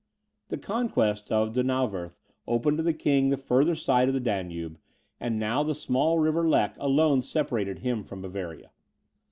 The conquest of Donauwerth opened to the king the further side of the Danube, and now the small river Lech alone separated him from Bavaria.